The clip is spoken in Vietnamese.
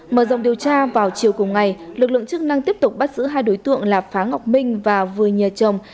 mở rộng điều tra vào chiều cùng ngày lực lượng chức năng tiếp tục bắt giữ hai đối tượng là phá ngọc minh và vừa nhờ chồng